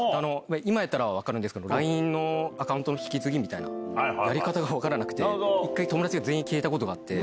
今やったら分かるんですけど、ＬＩＮＥのアカウントの引き継ぎみたいな、やり方が分からなくて、一回、友達が全員消えたことがあって。